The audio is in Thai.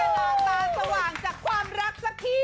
หน้าตาสว่างจากความรักสักที